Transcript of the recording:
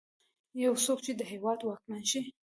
يو څوک چې د هېواد واکمن شي.